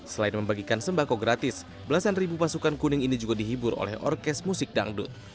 selain membagikan sembako gratis belasan ribu pasukan kuning ini juga dihibur oleh orkes musik dangdut